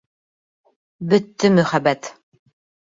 Бөттө мөхәббәт!